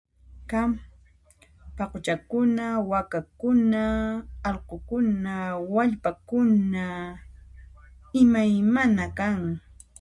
Kan: paquchakuna, wakakuna, alqukuna, wallpakuna, imaymana kan.